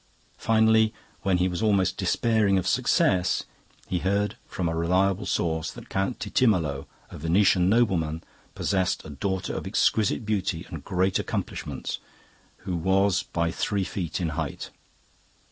Finally, when he was almost despairing of success, he heard from a reliable source that Count Titimalo, a Venetian nobleman, possessed a daughter of exquisite beauty and great accomplishments, who was by three feet in height.